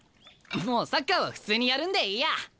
もうサッカーは普通にやるんでいいや。